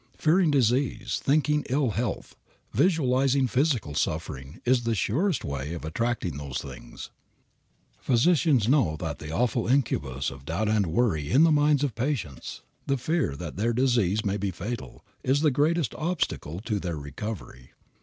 Fearing disease, thinking ill health, visualizing physical suffering, is the surest way of attracting those things. Physicians know that the awful incubus of doubt and worry in the minds of patients, the fear that their disease may be fatal, is the greatest obstacle to their recovery.